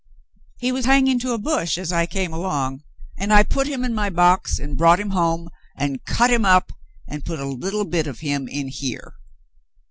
" "He was hanging to a bush as I came along, and I put him in my box and brought him home and cut him up and put a little bit of him in here."